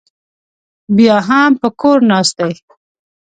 بیا هم په کور ناست دی